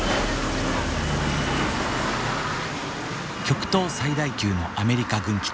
極東最大級のアメリカ軍基地嘉手納。